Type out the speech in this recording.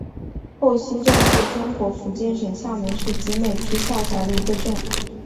后溪镇是中国福建省厦门市集美区下辖的一个镇。